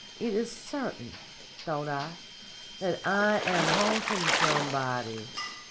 'It is certain,' thought I, 'that I am haunting somebody.